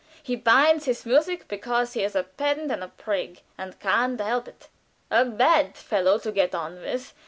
He binds his music because he is a pedant and a prig, and can't help it; a bad fellow to get on with.